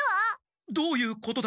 どういうことだ？